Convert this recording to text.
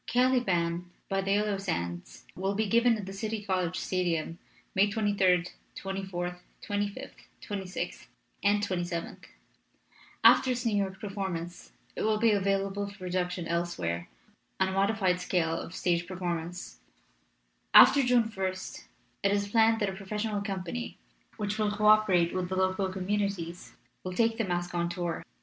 "Caliban by the Yellow Sands will be given at the City College Stadium May 23d, 24th, 25th, 26th, and 27th. After its New York performance it will be available for production elsewhere on a modified scale of stage performance. After June ist it is planned that a professional company, which will co operate with the local communities, will take the masque on tour.